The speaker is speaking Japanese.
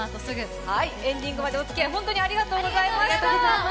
エンディングまでお付き合いありがとうございました。